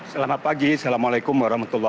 selamat pagi assalamualaikum wr wb